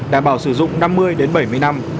đảm bảo sử dụng năm mươi đến bảy mươi năm